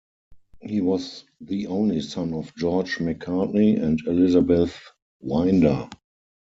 He was the only son of George Macartney and Elizabeth Winder.